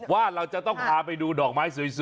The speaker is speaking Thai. ว่าเราจะต้องพาไปดูดอกไม้สวย